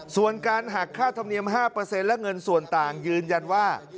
ส่วนการหักค่าธรรมเนียม๕และเงินส่วนต่างยืนยันว่า